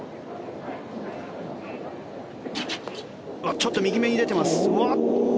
ちょっと右めに出ています。